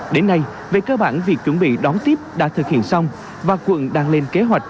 đến nay về cơ bản việc chuẩn bị đón tiếp đã thực hiện xong và quận đang lên kế hoạch